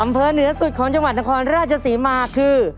เหนือสุดของจังหวัดนครราชศรีมาคือ